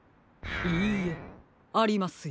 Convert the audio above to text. いいえありますよ。